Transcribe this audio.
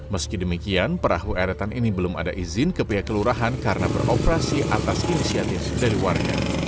meski demikian perahu eretan ini belum ada izin ke pihak kelurahan karena beroperasi atas inisiatif dari warga